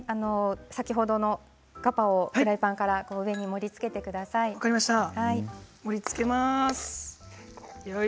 先ほどのガパオフライパンから上に盛りつけてください。